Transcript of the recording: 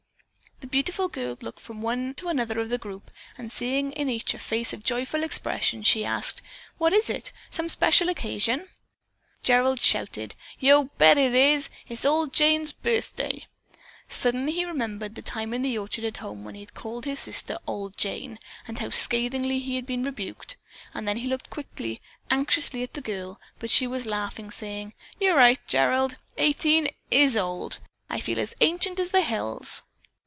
The beautiful girl looked from one to another of the group and seeing in each face a joyful expression, she asked: "What is it? Some special occasion?" Gerald shouted, "Yo' bet it is! It's ol' Jane's birthday!" Instantly he remembered the time in the orchard at home when he had called his sister "Ol' Jane" and how scathingly he had been rebuked, and he looked quickly, anxiously at the girl, but she was laughingly saying, "You're right, Gerald! Eighteen is old! I feel as ancient as the hills."